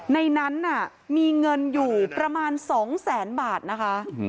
ในนั้นมีเงินอยู่ประมาณ๒แสนบาทนะคะ